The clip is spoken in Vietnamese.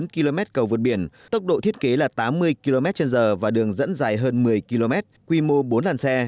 bốn km cầu vượt biển tốc độ thiết kế là tám mươi km trên giờ và đường dẫn dài hơn một mươi km quy mô bốn làn xe